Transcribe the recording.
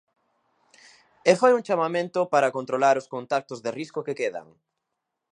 E fai un chamamento para controlar os contactos de risco que quedan.